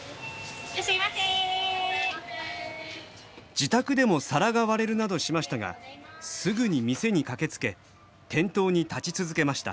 自宅でも皿が割れるなどしましたがすぐに店に駆けつけ店頭に立ち続けました。